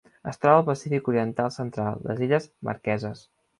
Es troba al Pacífic oriental central: les illes Marqueses.